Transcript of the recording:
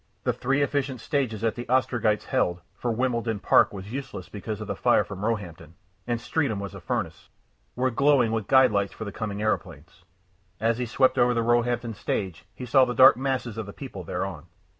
The three efficient stages that the Ostrogites held for Wimbledon Park was useless because of the fire from Roehampton, and Streatham was a furnace were glowing with guide lights for the coming aeroplanes. As he swept over the Roehampton stage he saw the dark masses of the people thereon.